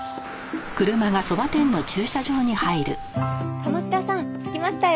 鴨志田さん着きましたよ。